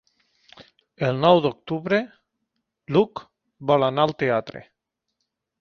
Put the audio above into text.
El nou d'octubre n'Hug vol anar al teatre.